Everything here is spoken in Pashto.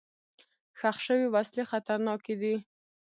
ښخ شوي وسلې خطرناکې دي.